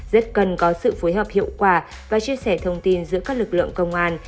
rất cần có sự phối hợp hiệu quả và chia sẻ thông tin giữa các lực lượng công an